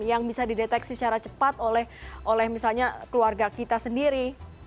yang bisa dideteksi secara cepat oleh misalnya keluarga kita sendiri